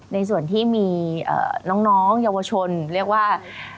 ในส่วนที่มีน้องเยาวชนเรียกว่า